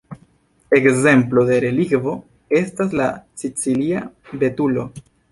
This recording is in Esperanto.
Ekzemplo de relikvo estas la sicilia betulo.